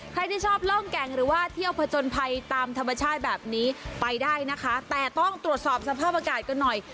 ใครที่ชอบล่องแก่งหรือว่าเที่ยวผจญภัยตามธรรมชาติแบบนี้ไปได้นะคะแต่ต้องตรวจสอบสภาพอากาศกันหน่อย